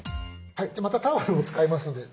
またタオルを使いますので。